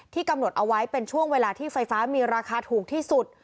กำหนดเอาไว้เป็นช่วงเวลาที่ไฟฟ้ามีราคาถูกที่สุด